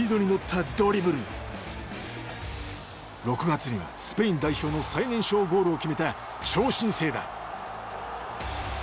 ６月にはスペイン代表の最年少ゴールを決めた超新星だ。